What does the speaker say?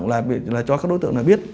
là cho các đối tượng này biết